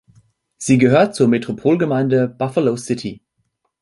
Sie gehört zur Metropolgemeinde Buffalo City.